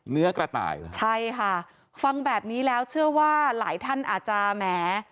เนื้อกระต่ายเหรอใช่ค่ะฟังแบบนี้แล้วเชื่อว่าหลายท่านอาจจะแหม